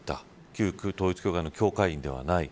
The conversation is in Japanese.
旧統一教会の教会員ではない。